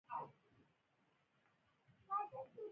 د وزیرانو شورا پریکړې کوي